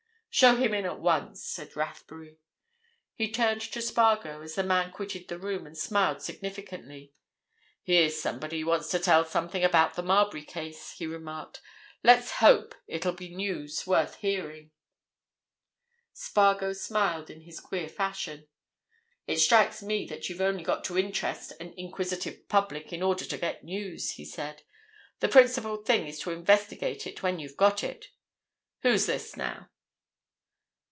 "Show him in at once," said Rathbury. He turned to Spargo as the man quitted the room and smiled significantly. "Here's somebody wants to tell something about the Marbury case," he remarked. "Let's hope it'll be news worth hearing." Spargo smiled in his queer fashion. "It strikes me that you've only got to interest an inquisitive public in order to get news," he said. "The principal thing is to investigate it when you've got it. Who's this, now?"